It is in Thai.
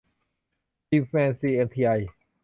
คิงส์เมน ซี เอ็ม ที ไอ